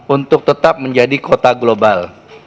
untuk tetap menjadi kota global